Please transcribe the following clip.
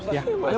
ya pak ustadz